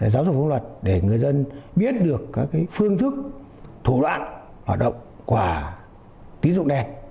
giáo dục phong luật để người dân biết được các phương thức thủ đoạn hoạt động quả tín dụng đen